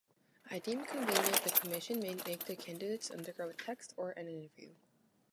I deemed convenient, the Commission may make the candidates undergo a text or an interview.